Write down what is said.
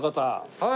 はい。